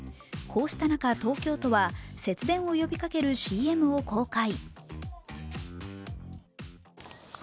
こうした中、東京都は節電を呼びかけるＣＭを公開。